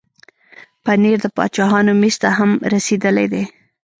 پنېر د باچاهانو مېز ته هم رسېدلی دی.